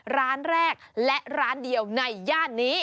ร้านแรกและร้านเดียวในย่านนี้